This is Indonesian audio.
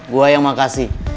gue yang makasih